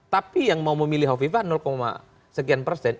tapi yang mau memilih hovifah sekian persen